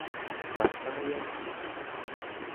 Mamayovi.